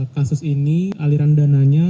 kasus ini aliran dananya